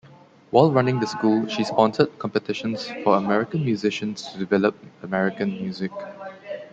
While running the school, she sponsored competitions for American musicians to develop American music.